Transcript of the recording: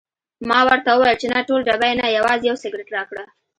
ما ورته وویل چې نه ټول ډبې نه، یوازې یو سګرټ راکړه.